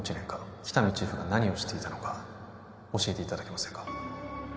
喜多見チーフが何をしていたのか教えていただけませんか